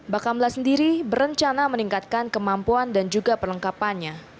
bakamla sendiri berencana meningkatkan kemampuan dan juga perlengkapannya